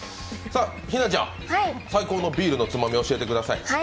陽菜ちゃん、最高のビールのつまみ教えてください。